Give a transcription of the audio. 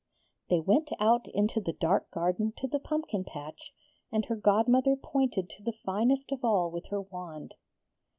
They went out into the dark garden to the pumpkin patch, and her godmother pointed to the finest of all with her wand.